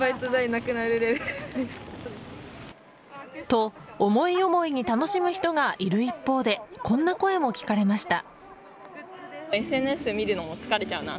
と、思い思いに楽しむ人がいる一方でこんな声も聞かれました。